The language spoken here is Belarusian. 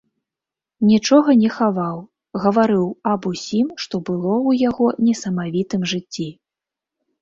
Нічога не хаваў, гаварыў аб усім, што было ў яго несамавітым жыцці.